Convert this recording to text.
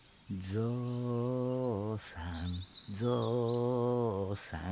「ぞうさんぞうさん」